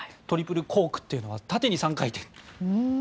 トリプルコークというのは縦に３回転。